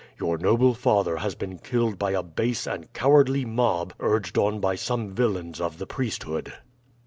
"Your noble father has been killed by a base and cowardly mob urged on by some villains of the priesthood."